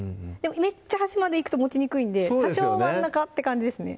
めっちゃ端までいくと持ちにくいんで多少真ん中って感じですね